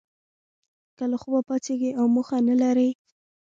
که له خوبه پاڅیږی او موخه نه لرئ